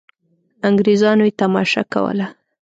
انګرېزانو یې تماشه کوله.